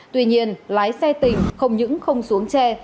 tuy nhiên lái xe tỉnh không những không xuống tre